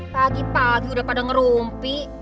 pagi pagi udah pada ngerompi